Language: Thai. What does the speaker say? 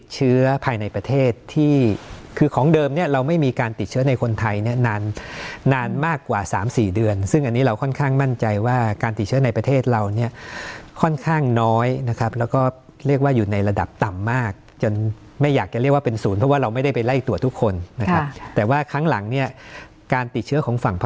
เชื้อภายในประเทศที่คือของเดิมเนี่ยเราไม่มีการติดเชื้อในคนไทยเนี่ยนานนานมากกว่าสามสี่เดือนซึ่งอันนี้เราค่อนข้างมั่นใจว่าการติดเชื้อในประเทศเราเนี่ยค่อนข้างน้อยนะครับแล้วก็เรียกว่าอยู่ในระดับต่ำมากจนไม่อยากจะเรียกว่าเป็นศูนย์เพราะว่าเราไม่ได้ไปไล่ตรวจทุกคนนะครับแต่ว่าครั้งหลังเนี่ยการติดเชื้อของฝั่งพ